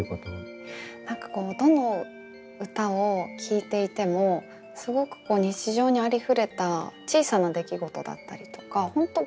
何かどの歌を聴いていてもすごく日常にありふれた小さな出来事だったりとか本当